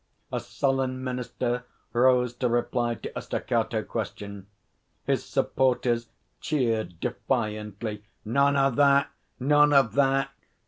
A sullen minister rose to reply to a staccato question. His supporters cheered defiantly. 'None o' that! None o' that!'